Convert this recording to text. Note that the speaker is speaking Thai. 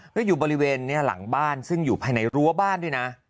แล้วอยู่บริเวณนี้หลังบ้านซึ่งอยู่ภายในรั้วบ้านด้วยนะ